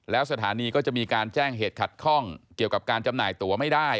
แล้วสถานีก็จะมีการแจ้งเหตุขัดข้องเกี่ยวกับการจำหน่ายตัวไม่ได้